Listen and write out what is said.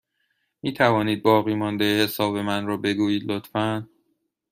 می توانید باقیمانده حساب من را بگویید، لطفا؟